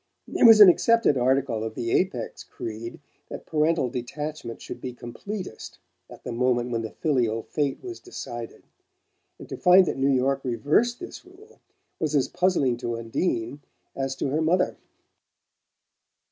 It was an accepted article of the Apex creed that parental detachment should be completest at the moment when the filial fate was decided; and to find that New York reversed this rule was as puzzling to Undine as to her mother.